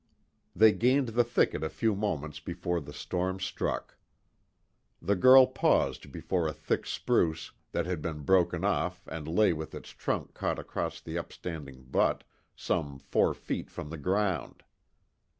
They gained the thicket a few moments before the storm struck. The girl paused before a thick spruce, that had been broken off and lay with its trunk caught across the upstanding butt, some four feet from the ground.